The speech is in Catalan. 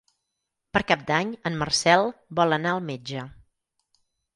Per Cap d'Any en Marcel vol anar al metge.